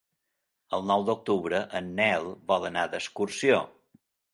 El nou d'octubre en Nel vol anar d'excursió.